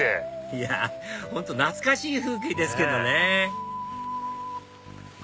いやぁ本当懐かしい風景ですけどねねぇ。